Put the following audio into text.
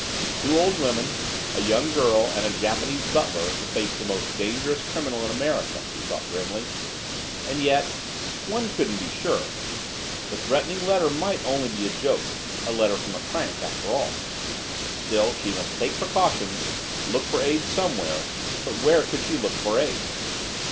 Two old women, a young girl, and a Japanese butler to face the most dangerous criminal in America, she thought grimly. And yet one couldn't be sure. The threatening letter might be only a joke a letter from a crank after all. Still, she must take precautions; look for aid somewhere. But where could she look for aid?